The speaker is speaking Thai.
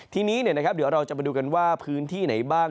ทีนี้เดี๋ยวเราจะมาดูกันว่าพื้นที่ไหนบ้าง